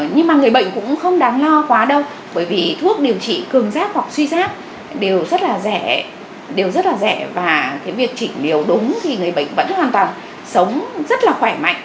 nhưng mà người bệnh cũng không đáng lo quá đâu bởi vì thuốc điều trị cường giáp hoặc suy giáp đều rất là rẻ và cái việc chỉnh liều đúng thì người bệnh vẫn hoàn toàn sống rất là khỏe mạnh